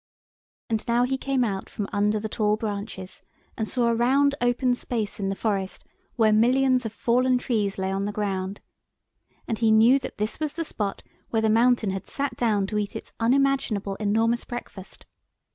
And now he came out from under the tall branches, and saw a round open space in the forest, where millions of fallen trees lay on the ground. And he knew that this was the spot where the mountain had sat down to eat its unimaginable enormous breakfast.